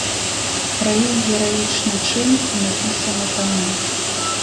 Пра іх гераічны чын напісаны тамы.